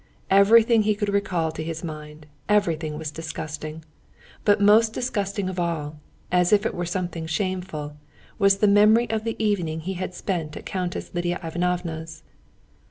Everything he could recall to his mind, everything was disgusting; but most disgusting of all, as if it were something shameful, was the memory of the evening he had spent at Countess Lidia Ivanovna's.